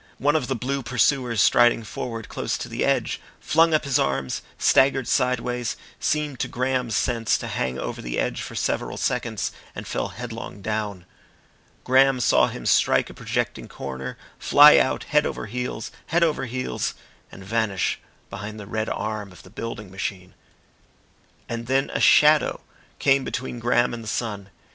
One of the blue pursuers striding forward close to the edge, flung up his arms, staggered sideways, seemed to Graham's sense to hang over the edge for several seconds, and fell headlong down. Graham saw him strike a projecting corner, fly out, head over heels, head over heels, and vanish behind the red arm of the building machine. And then a shadow came between Graham and the sun.